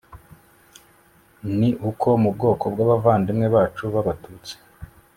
ni uko mu bwoko bw'abavandimwe bacu b'abatutsi